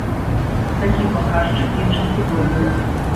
Такі паказчык лічыцца добрым.